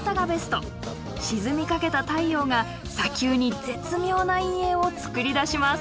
沈みかけた太陽が砂丘に絶妙な陰影をつくり出します。